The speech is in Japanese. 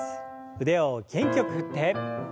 腕を元気よく振って。